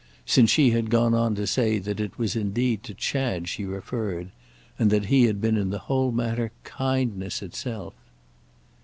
—since she had gone on to say that it was indeed to Chad she referred and that he had been in the whole matter kindness itself.